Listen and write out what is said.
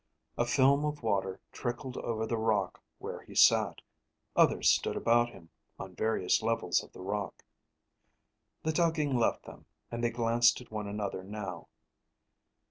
A film of water trickled over the rock where he sat. Others stood about him, on various levels of the rock. The tugging left them, and they glanced at one another now.